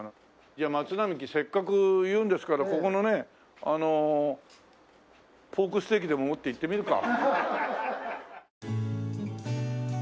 じゃあ松並木せっかく言うんですからここのねポークステーキでも持って行ってみるか。